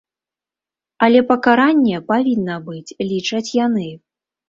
Але пакаранне павінна быць, лічаць яны.